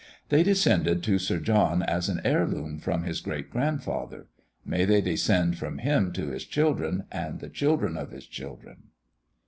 They descended to Sir John as an heir loom from his great grandfather. May they descend from him to his children and the children of his children!